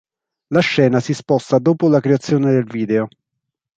La scena si sposta dopo la creazione del video.